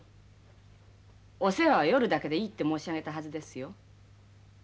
お世話は「夜だけでいい」って申し上げたはずですよ。